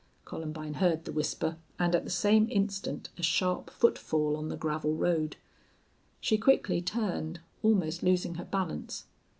Columbine heard the whisper and at the same instant a sharp footfall on the gravel road. She quickly turned, almost losing her balance.